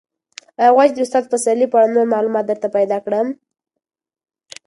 ایا غواړې چې د استاد پسرلي په اړه نور معلومات درته پیدا کړم؟